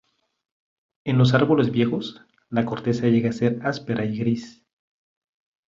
En los árboles viejos, la corteza llega a ser áspera y gris.